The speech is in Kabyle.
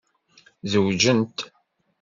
Zewǧent.